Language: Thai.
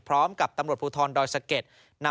พร้อมกับตำรวจภูทรดอยสะเก็ด